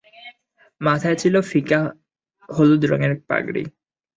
মাথায় ছিল ফিকা হলুদ রঙের পাগড়ি।